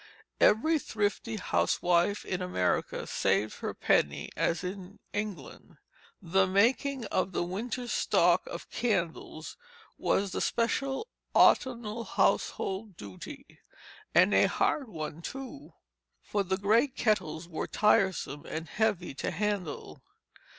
Every thrifty housewife in America saved her penny as in England. The making of the winter's stock of candles was the special autumnal household duty, and a hard one too, for the great kettles were tiresome and heavy to handle.